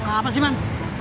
apa sih man